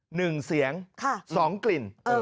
หนึ่งเสียงค่ะสองกลิ่น